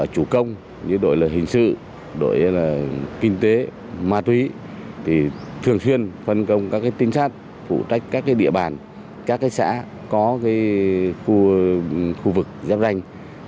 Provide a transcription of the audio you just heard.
chủ công như đội hình sự đội kinh tế ma túy thì thường xuyên phân công các trinh sát phụ trách các địa bàn các xã có khu vực giáp ranh